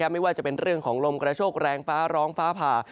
ไม่ว่าจะเป็นเรื่องของลมกระโชคแรงฟ้าร้องฟ้าผ่า